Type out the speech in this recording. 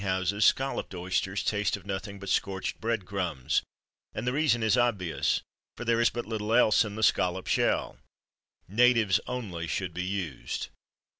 At most eating houses, Scalloped Oysters taste of nothing but scorched bread crumbs; and the reason is obvious, for there is but little else in the scallop shell. Natives only should be used.